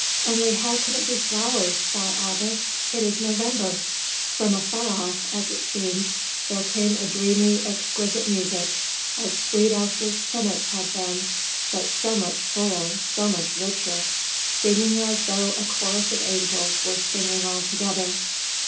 "Only how can it be flowers?" thought August. "It is November!" From afar off, as it seemed, there came a dreamy, exquisite music, as sweet as the spinet's had been, but so much fuller, so much richer, seeming as though a chorus of angels were singing all together.